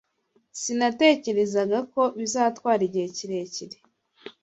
Sinatekerezaga ko bizatwara igihe kirekire.